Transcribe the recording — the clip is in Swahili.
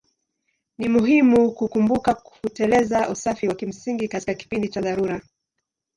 Ni muhimu kukumbuka kutekeleza usafi wa kimsingi katika kipindi cha dharura.